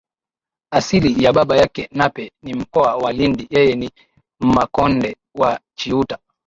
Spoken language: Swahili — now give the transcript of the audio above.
Asili ya baba yake Nape ni mkoa wa Lindi yeye ni Mmakonde wa Chiuta